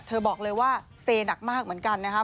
บอกเลยว่าเซหนักมากเหมือนกันนะครับ